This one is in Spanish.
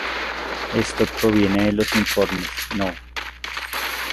Esto proviene de los informes No.